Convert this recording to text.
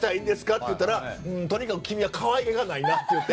って言うからとにかく君は可愛げがないなって。